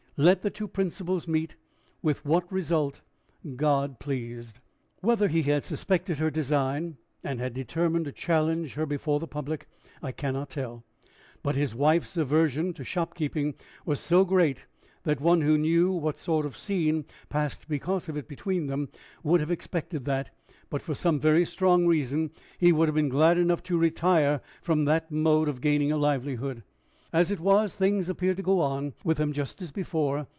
Let the two principles meet, with what result God pleased! Whether he had suspected her design, and had determined to challenge her before the public, I can not tell; but his wife's aversion to shopkeeping was so great, that one who knew what sort of scene passed because of it between them, would have expected that, but for some very strong reason, he would have been glad enough to retire from that mode of gaining a livelihood. As it was, things appeared to go on with them just as before.